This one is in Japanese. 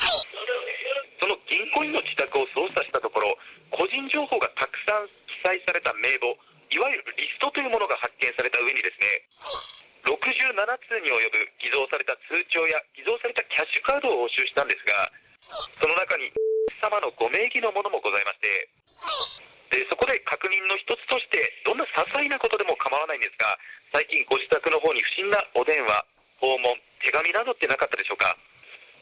その銀行員の自宅を捜査したところ、個人情報がたくさん記載された名簿、いわゆるリストというものが発見されたうえに、６７通に及ぶ偽造された通帳や偽造されたキャッシュカードを押収したんですが、その中に×××様のご名義のものもございまして、そこで確認の一つとして、どんなささいなことでも構わないんですが、最近、ご自宅のほうに、不審なお電話、訪問、手紙などってなかったでしょうか。